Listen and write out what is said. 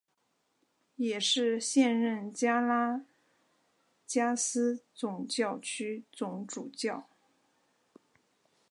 也是现任加拉加斯总教区总主教。